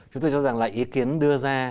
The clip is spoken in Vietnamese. chúng tôi cho rằng là ý kiến đưa ra